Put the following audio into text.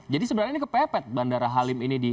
jadi sebenarnya ini kepepet bandara halim ini di